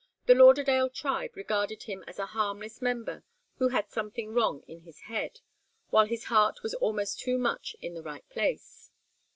The Lauderdale tribe regarded him as a harmless member who had something wrong in his head, while his heart was almost too much in the right place.